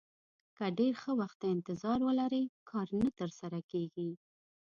که ډېر ښه وخت ته انتظار ولرئ کار نه ترسره کېږي.